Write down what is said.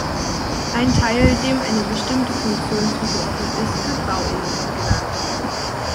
Ein Teil, dem eine bestimmte Funktion zugeordnet ist, wird Bauelement genannt.